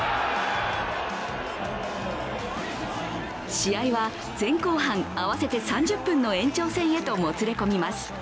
試合は前後半合わせて３０分の延長戦へともつれ込みます。